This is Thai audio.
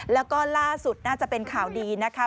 แล้วก็ล่าสุดน่าจะเป็นข่าวดีนะคะ